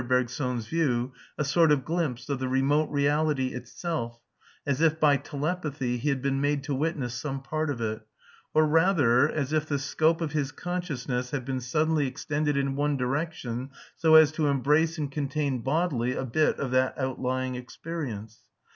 Bergson's view, a sort of glimpse of the remote reality itself, as if by telepathy he had been made to witness some part of it; or rather as if the scope of his consciousness had been suddenly extended in one direction, so as to embrace and contain bodily a bit of that outlying experience.